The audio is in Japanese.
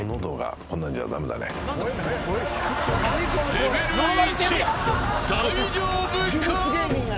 レベル１、大丈夫か。